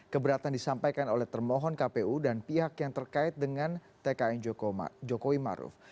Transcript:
keberatan disampaikan oleh termohon kpu dan pihak yang terkait dengan tkn jokowi maruf